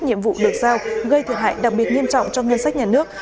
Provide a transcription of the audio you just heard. nhiệm vụ được giao gây thiệt hại đặc biệt nghiêm trọng cho ngân sách nhà nước